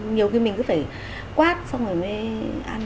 nhiều khi mình cứ phải quát xong rồi mới ăn